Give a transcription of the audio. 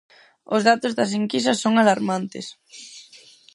Os datos das enquisas son alarmantes.